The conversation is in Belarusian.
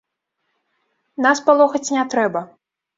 Нас палохаць не трэба.